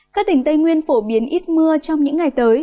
các tỉnh tây nguyên phổ biến ít mưa trong những ngày tới